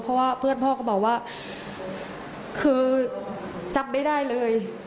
เพราะว่าเพื่อนพ่อก็บอกว่าคือจับไม่ได้เลย